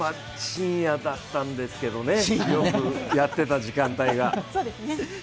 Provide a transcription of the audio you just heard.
深夜だったんですけどねよくやってた時間帯が。